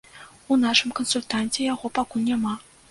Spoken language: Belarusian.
У нашым кансультанце яго пакуль няма.